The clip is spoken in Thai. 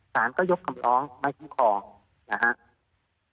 สารก็ยกกำลองไม่เป็นหลวงพรุ่งคร